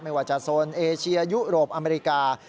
ไม่ว่าจะโซนเอเชียยุโรปอเมริกา